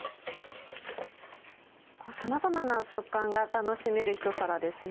さまざまな食感が楽しめるひと皿ですね。